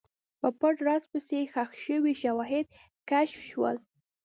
په پټ راز پسې، ښخ شوي شواهد کشف شول.